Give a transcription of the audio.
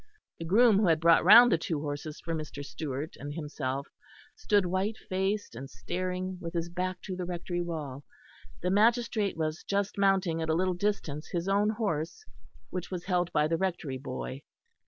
The groom who had brought round the two horses for Mr. Stewart and himself stood white faced and staring, with his back to the Rectory wall. The magistrate was just mounting at a little distance his own horse, which was held by the Rectory boy.